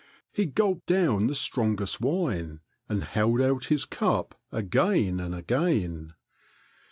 He gulped down the strongest wine and held out his cup again and again.